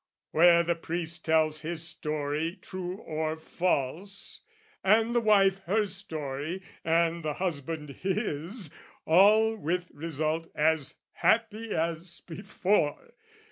Where the priest tells his story true or false, And the wife her story, and the husband his, All with result as happy as before.